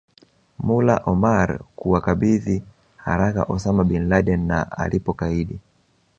Mullah Omar kuwakabidhi haraka Osama Bin Laden na alipokaidi